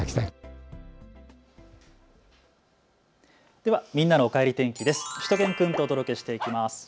ではみんなのおかえり天気です。